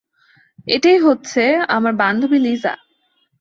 এটা হচ্ছে আমার বান্ধবী লিজা।